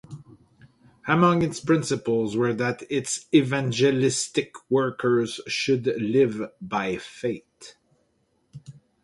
Among its principles were that its evangelistic workers should "live by faith".